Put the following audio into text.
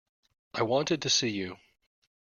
I wanted to see you.